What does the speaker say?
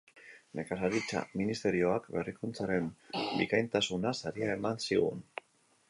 Nekazaritza Ministerioak Berrikuntzaren bikaintasuna saria eman zigun.